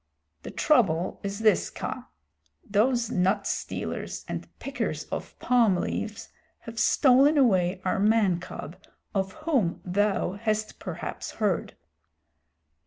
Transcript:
"The trouble is this, Kaa. Those nut stealers and pickers of palm leaves have stolen away our man cub of whom thou hast perhaps heard."